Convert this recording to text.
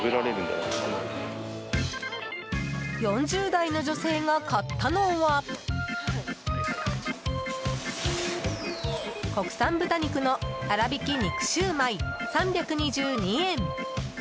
４０代の女性が買ったのは国産豚肉のあらびき肉焼売３２２円。